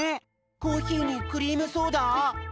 コーヒーにクリームソーダ？